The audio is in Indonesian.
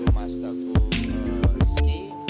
mas teguh rizky